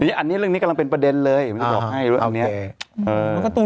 เรื่องนี้กำลังเป็นประเด็นเลยยังไม่รู้ว่าไม่รู้